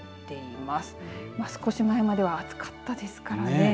まあ少し前までは暑かったですからね。